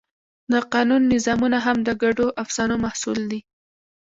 د قانون نظامونه هم د ګډو افسانو محصول دي.